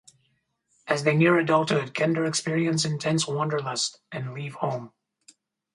As they near adulthood, kender experience intense wanderlust and leave home.